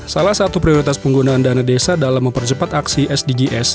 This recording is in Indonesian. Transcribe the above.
salah satu prioritas penggunaan dana desa dalam mempercepat aksi sdgs